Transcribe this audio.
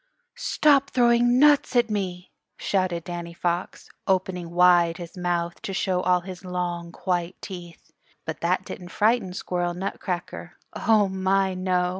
"Stop throwing nuts at me!" shouted Danny Fox, opening wide his mouth to show all his long, white teeth. But that didn't frighten Squirrel Nutcracker. Oh, my no!